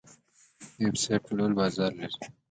د ویب سایټ جوړول بازار لري؟